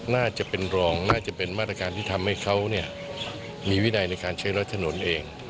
น่าจะเป็นรองน่าจะเป็นมาตรการที่ทำให้เขามีวินัยในการใช้รถถนนเอง